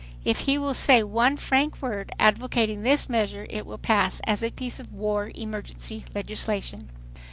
If he will say one frank word advocating this measure it will pass as a piece of war emergency legislation."